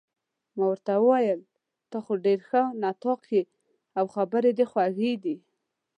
ما ورته وویل: ته خو ډېر ښه نطاق يې، او خبرې دې خوږې دي.